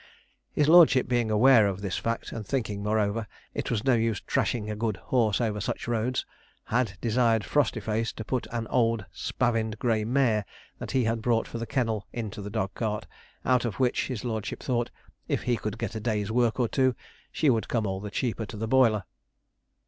His lordship being aware of this fact, and thinking, moreover, it was no use trashing a good horse over such roads, had desired Frostyface to put an old spavined grey mare, that he had bought for the kennel, into the dog cart, and out of which, his lordship thought, if he could get a day's work or two, she would come all the cheaper to the boiler.